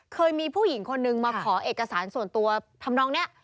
เคยมีผู้หญิงคนนึงมาขอเอกสารส่วนตัวทำนองนี้